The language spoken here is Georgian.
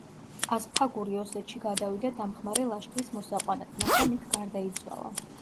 ასფაგური ოსეთში გადავიდა დამხმარე ლაშქრის მოსაყვანად, მაგრამ იქ გარდაიცვალა.